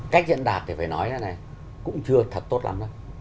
cách diễn đạt thì phải nói là này cũng chưa thật tốt lắm đâu